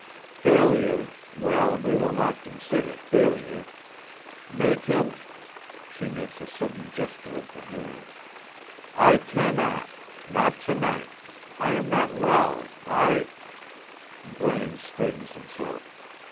Failure, well, we will not consider failure. Make him " She makes a sudden gesture of the hand: "I cannot! not to night. I am not well I " Braine straightens himself.